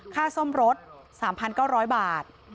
ค่าซ่อมรถ๓๙๐๐บาท